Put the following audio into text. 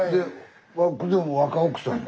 若奥さん？